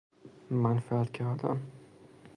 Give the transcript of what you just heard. منفعت کردن